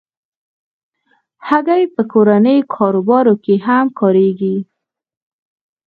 هګۍ په کورني کاروبار کې هم کارېږي.